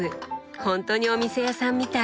ほんとにお店屋さんみたい！